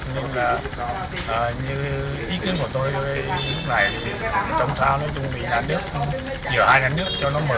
nhưng như ý kiến của tôi lúc này trong sao nó chuẩn bị nhà nước giữa hai nhà nước cho nó mở